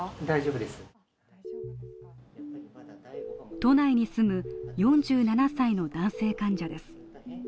都内に住む４７歳の男性患者です。